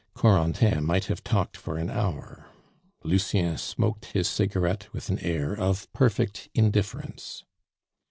Corentin might have talked for an hour; Lucien smoked his cigarette with an air of perfect indifference.